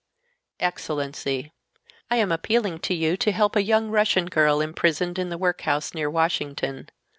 Excellency: I am appealing to you to help a young Russian girl imprisoned in the workhouse near Washington.